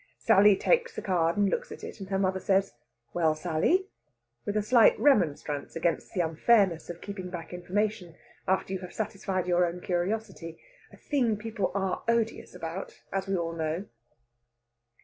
Sally takes the card and looks at it, and her mother says, "Well, Sally?" with a slight remonstrance against the unfairness of keeping back information after you have satisfied your own curiosity a thing people are odious about, as we all know.